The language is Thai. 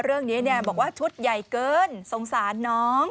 เรื่องนี้บอกว่าชุดใหญ่เกินสงสารน้อง